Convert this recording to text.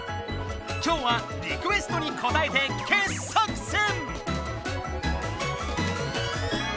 今日はリクエストにこたえて傑作選！